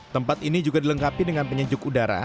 tempat ini juga dilengkapi dengan penyejuk udara